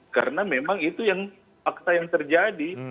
karena memang itu yang fakta yang terjadi